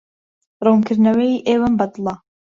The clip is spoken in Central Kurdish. ڕوونکردنەوەی ئێوەم بەدڵە.